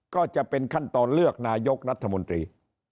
ก็จะเป็นขั้นตอนเลือกนายกรัฐมนตรี